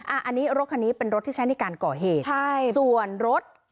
อันนี้รถคันนี้เป็นรถที่ใช้ในการก่อเหตุใช่ส่วนรถ